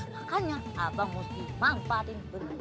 makanya abang mesti mampatin bener bener